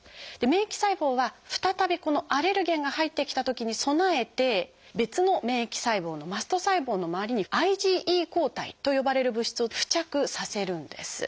免疫細胞は再びこのアレルゲンが入ってきたときに備えて別の免疫細胞の「マスト細胞」の周りに「ＩｇＥ抗体」と呼ばれる物質を付着させるんです。